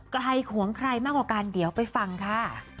ขวงใครมากกว่ากันเดี๋ยวไปฟังค่ะ